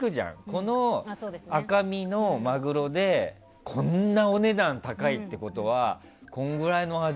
この赤身のマグロでこんなお値段高いってことはこのぐらいの味